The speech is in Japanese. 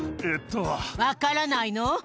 分からないの？